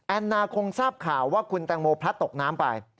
นาคงทราบข่าวว่าคุณแตงโมพลัดตกน้ำไป